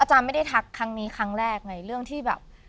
ไม่ได้ทักครั้งนี้ครั้งแรกในเรื่องที่แบบ